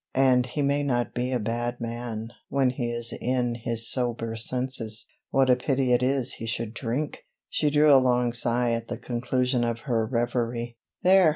"And he may not be a bad man when he is in his sober senses. What a pity it is that he should drink!" She drew a long sigh at the conclusion of her reverie. "There!"